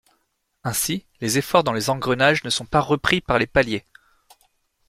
Ainsi, les efforts dans les engrenages ne sont pas repris par les paliers.